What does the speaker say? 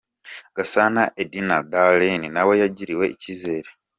Gasana Edna Darlene nawe yagiriwe icyizere.